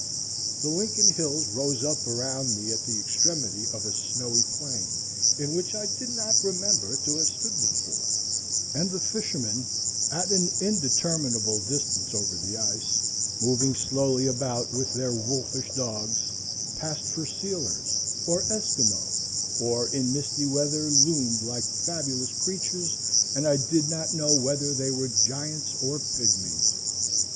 The Lincoln hills rose up around me at the extremity of a snowy plain, in which I did not remember to have stood before; and the fishermen, at an indeterminable distance over the ice, moving slowly about with their wolfish dogs, passed for sealers or Esquimaux, or in misty weather loomed like fabulous creatures, and I did not know whether they were giants or pygmies.